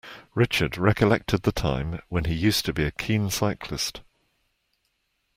Richard recollected the time when he used to be a keen cyclist.